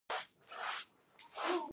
چې د پوځ د مشرانو قدرت نور هم اضافه کړي.